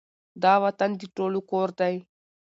دا وطــن د ټولو کـــــــــــور دی